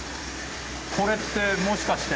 これってもしかして？